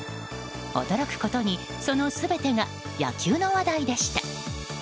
驚くことに、その全てが野球の話題でした。